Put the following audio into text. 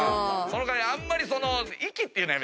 その代わりあんまりその。